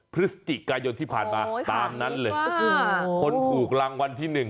พฤศจิกายนที่ผ่านมาตามนั้นเลยคนถูกรางวัลที่หนึ่ง